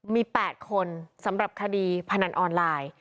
มี๘คนสำหรับคดีพนันออนไลน์